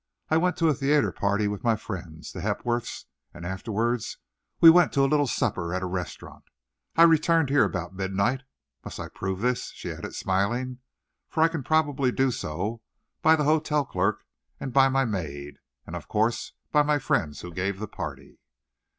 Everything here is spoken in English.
"I went to a theatre party with my friends, the Hepworths; and afterward, we went to a little supper at a restaurant. I returned here about midnight. Must I prove this?" she added, smiling; "for I can probably do so, by the hotel clerk and by my maid. And, of course, by my friends who gave the party."